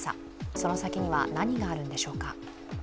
その先には、何があるんでしょうか